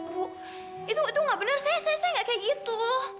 bu itu itu enggak benar saya saya enggak kayak gitu